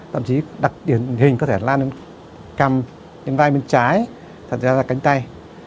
thậm chí đặc điển hình có thể là cầm tay bên trái thật ra là cánh tay